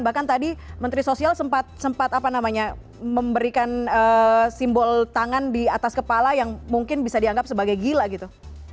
bahkan tadi menteri sosial sempat memberikan simbol tangan di atas kepala yang mungkin bisa dianggap sebagai gila gitu